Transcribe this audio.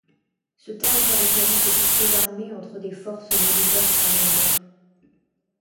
Ce terme fait référence aux conflits armés entre des forces militaires pendant une guerre.